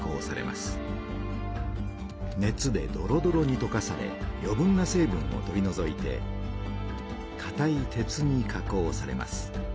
熱でドロドロにとかされよ分な成分を取りのぞいてかたい鉄に加工されます。